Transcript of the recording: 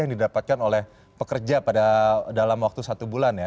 yang didapatkan oleh pekerja pada dalam waktu satu bulan ya